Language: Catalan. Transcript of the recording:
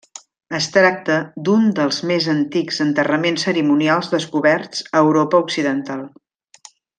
Es tracta d'un dels més antics enterraments cerimonials descoberts a Europa occidental.